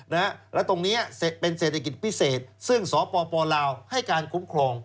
และตรงนี้เป็นเศรษฐกิจพิเศษซึ่งสปลาวให้การคุ้มครอง